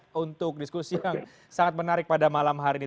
terima kasih banyak untuk diskusi yang sangat menarik pada malam hari ini